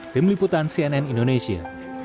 tim liputan cnn indonesia